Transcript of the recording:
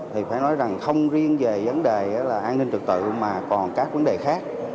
thì phải nói rằng không riêng về vấn đề an ninh trực tự mà còn các vấn đề khác